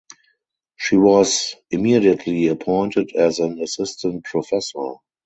She was immediately appointed as an Assistant Professor.